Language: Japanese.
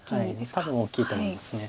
多分大きいと思います。